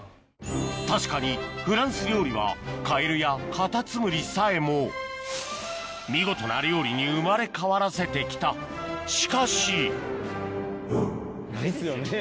確かにフランス料理はカエルやカタツムリさえも見事な料理に生まれ変わらせて来たしかしですよね。